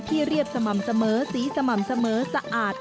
เรียบสม่ำเสมอสีสม่ำเสมอสะอาด